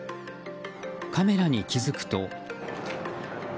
カメラに気づくと。